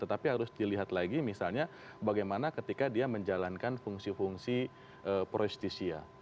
tapi harus dilihat lagi misalnya bagaimana ketika dia menjalankan fungsi fungsi proistisial